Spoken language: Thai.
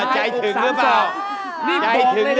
ใจถึงหรือเปล่า